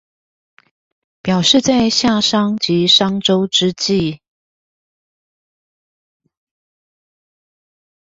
表示在夏商及商周之際